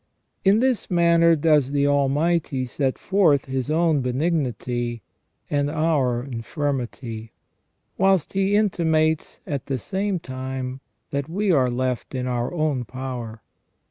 In this manner does the Almighty set forth His own benignity and our infirmity, whilst He intimates at the same time that we are left in our own power.